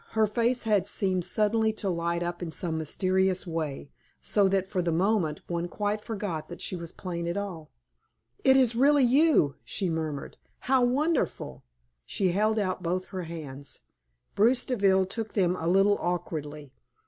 Her face had seemed suddenly to light up in some mysterious way, so that for the moment one quite forgot that she was plain at all. "It is really you!" she murmured. "How wonderful!" She held out both her hands. Bruce Deville took them a little awkwardly.